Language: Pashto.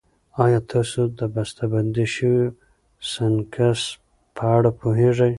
ایا تاسو د بستهبندي شويو سنکس په اړه پوهېږئ؟